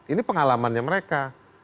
ini pengalamannya mereka